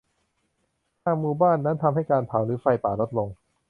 หากหมู่บ้านนั้นทำให้การเผา หรือ ไฟป่าลดลง